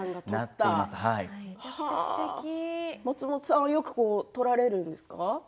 松本さんはよく撮られるんですか。